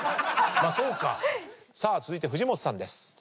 続いて藤本さんです。